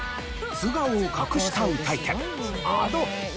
素顔を隠した歌い手Ａｄｏ。